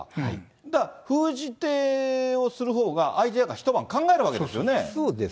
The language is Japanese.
じゃあ、封じ手をするほうが、相手が一晩考えるわけですよね。